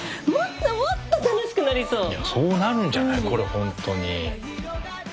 そうなるんじゃないこれ本当に。